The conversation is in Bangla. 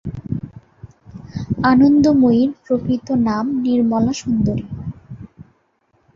আনন্দময়ীর প্রকৃত নাম নির্মলা সুন্দরী।